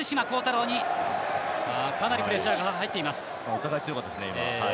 お互い強かったですね、今。